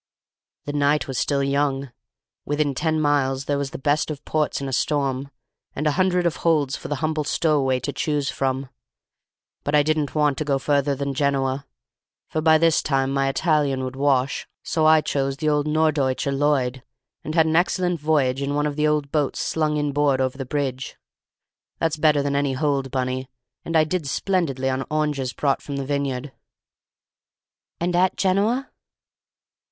"The night was still young, and within ten miles there was the best of ports in a storm, and hundreds of holds for the humble stowaway to choose from. But I didn't want to go further than Genoa, for by this time my Italian would wash, so I chose the old Norddeutscher Lloyd, and had an excellent voyage in one of the boats slung in board over the bridge. That's better than any hold, Bunny, and I did splendidly on oranges brought from the vineyard." "And at Genoa?"